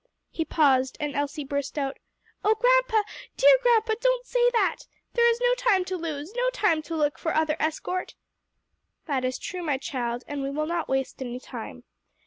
He paused, and Elsie burst out: "O grandpa, dear grandpa, don't say that! There is no time to lose! no time to look for other escort!" "That is true, my child; and we will not waste any time.